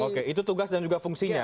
oke itu tugas dan juga fungsinya